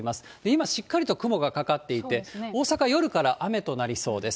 今、しっかりと雲がかかっていまして、大阪、夜から雨となりそうです。